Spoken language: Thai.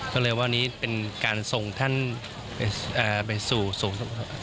ก็เลยว่านี้เป็นการส่งท่านไปสู่ศูนย์